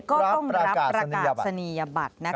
ก็ต้องรับประกาศนียบัตรนะคะ